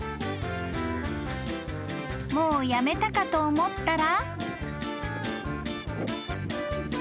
［もうやめたかと思ったら］